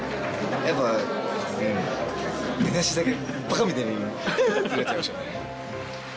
やっぱうん出だしだけバカみたいに「あぁ」ってなっちゃいましたね。